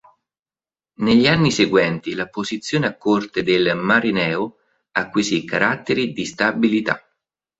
Negli anni seguenti la posizione a corte del Marineo acquisì caratteri di stabilità.